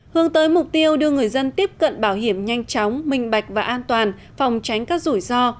hướng tới mục tiêu đưa người dân tiếp cận bảo hiểm nhanh chóng minh bạch và an toàn phòng tránh các rủi ro